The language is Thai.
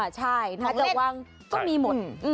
ใช่ถ้าเกิดวางก็มีหมด